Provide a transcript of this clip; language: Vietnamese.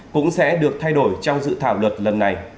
cũng sẽ được thay đổi trong dự thảo luật lần này